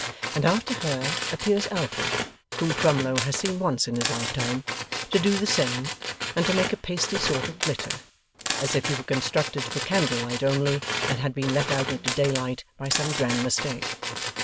And after her, appears Alfred (whom Twemlow has seen once in his lifetime), to do the same and to make a pasty sort of glitter, as if he were constructed for candle light only, and had been let out into daylight by some grand mistake.